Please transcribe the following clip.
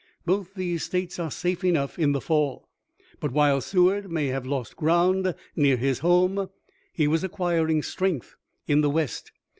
Both these States are safe enough in the fall." But, while Seward may have lost ground near his home, he was acquiring strength in the West.